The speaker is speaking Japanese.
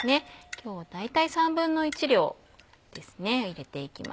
今日は大体１／３量入れていきます。